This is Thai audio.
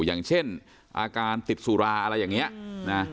อย่างเช่นอาการติดสุราอะไรอย่างนี้นะ